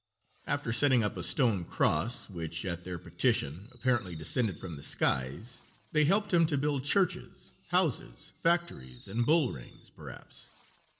After setting up a stone cross, which, at their petition, apparently descended from the skies, they helped him to build churches, houses, factories, and bull rings (perhaps).